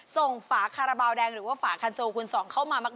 ส่งฝาคาราบาลแดงหรือว่าฝาคันซัวร์คุณส่องเข้ามามาก